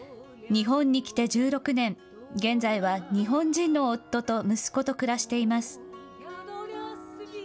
日本に来て１６年、現在は日本人の夫と息子と暮らしています。